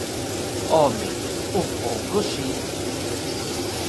Home, un pouco si.